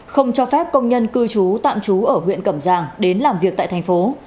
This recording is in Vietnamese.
không cho phép công nhân cư trú tạm trú ở huyện cẩm giang đến làm việc tại thành phố